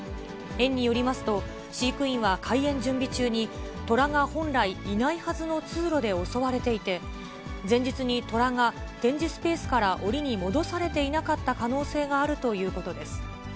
園によりますと、飼育員は開園準備中にトラが本来、いないはずの通路で襲われていて、前日にトラが展示スペースからおりに戻されていなかった可能性があるということです。